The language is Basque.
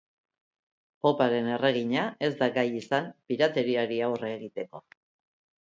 Poparen erregina ez da gai izan pirateriari aurre egiteko.